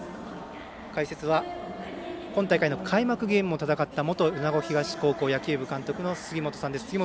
解説は今大会の開幕ゲームも戦った元米子東高校監督の杉本さんです。